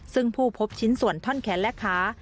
ซึ่งผู้พบชิ้นส่วนท่อนแขนและขา